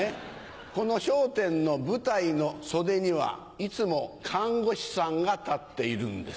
この『笑点』の舞台の袖にはいつも看護師さんが立っているんです。